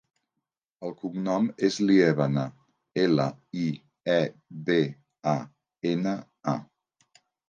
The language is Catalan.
El cognom és Liebana: ela, i, e, be, a, ena, a.